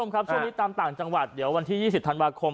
ครับช่วงนี้ตามต่างจังหวัดเดี๋ยววันที่๒๐ธันวาคม